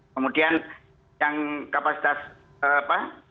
kemudian yang kapasitas apa